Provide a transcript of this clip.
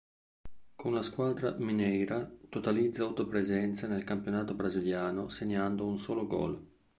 Con la squadra "mineira" totalizza otto presenze nel campionato brasiliano segnando un solo gol.